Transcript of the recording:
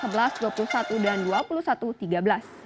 kebetulan menang dengan skor dua puluh satu tiga belas